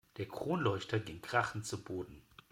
Der Kronleuchter ging krachend zu Boden.